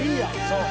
そう。